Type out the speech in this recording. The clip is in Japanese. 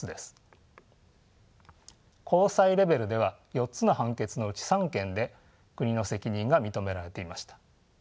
高裁レベルでは４つの判決のうち３件で国の責任が認められていました。